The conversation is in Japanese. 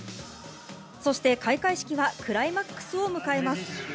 そして、開会式はクライマックスを迎えます。